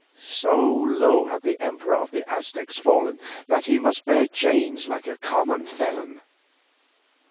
So low had the emperor of the Aztecs fallen, that he must bear chains like a common felon.